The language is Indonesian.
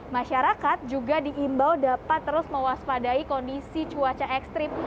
masyarakat juga diimbau dapat terus mewaspadai kondisi cuaca ekstrim